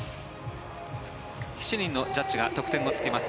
７人のジャッジが得点をつけます。